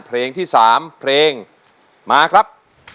เพลงที่๓เพลงมาครับ